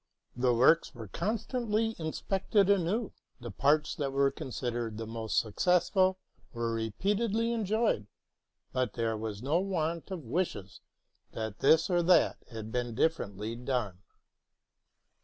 The works were constantly inspected anew, the parts that were considered the most successful were repeatedly enjoyed, but there was no want of wishes that this or that had been dif ferently done.